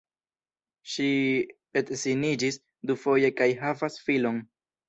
Ŝi edziniĝis dufoje kaj havas filon.